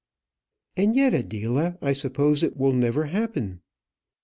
"And yet, Adela, I suppose it will never happen."